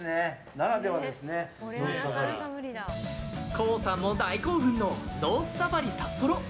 ＫＯＯさんも大興奮のノースサファリサッポロ。